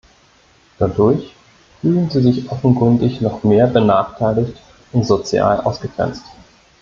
Dadurch fühlen sie sich offenkundig noch mehr benachteiligt und sozial ausgegrenzt.